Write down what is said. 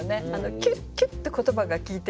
キュッキュッて言葉が効いてるの。